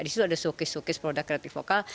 di situ ada sukis sukis produk kreatif lokal